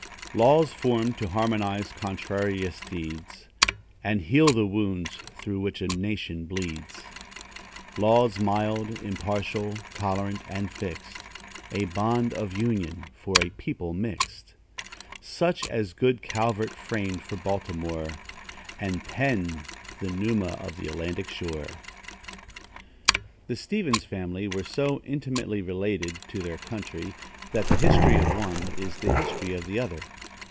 Laws formed to harmonize contrarious creeds, And heal the wounds through which a nation bleeds; Laws mild, impartial, tolerant and fixed, A bond of union for a people mixed; Such as good Calvert framed for Baltimore, And Penn the Numa of th' Atlantic shore. The Stevens family were so intimately related to their country, that the history of one is the history of the other.